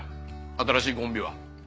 新しいコンビは。